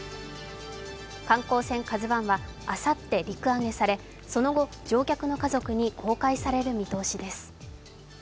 観光船「ＫＡＺＵⅠ」はあさって陸揚げされその後、乗客の家族に公開される見通しです。